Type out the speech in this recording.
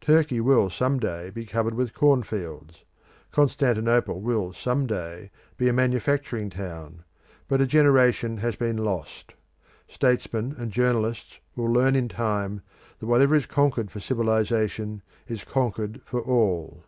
Turkey will some day be covered with cornfields; Constantinople will some day be a manufacturing town; but a generation has been lost. Statesmen and journalists will learn in time that whatever is conquered for civilisation is conquered for all.